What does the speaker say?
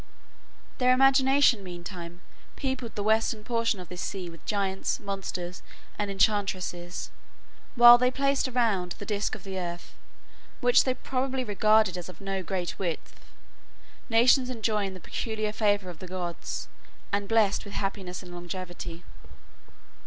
Their imagination meantime peopled the western portion of this sea with giants, monsters, and enchantresses; while they placed around the disk of the earth, which they probably regarded as of no great width, nations enjoying the peculiar favor of the gods, and blessed with happiness and longevity.